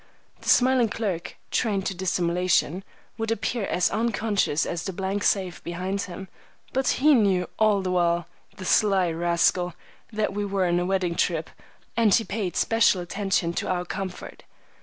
The smiling clerk, trained to dissimulation, would appear as unconscious as the blank safe behind him, but he knew all the while, the sly rascal, that we were on a wedding trip, and he paid special attention to our comfort.